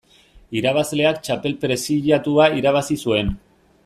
Irabazleak txapel preziatua irabazi zuen.